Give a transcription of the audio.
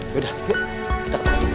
yaudah yuk kita ketemu lagi